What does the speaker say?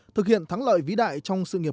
thực hiện thắng lợi vĩ đại trong sự nghiệp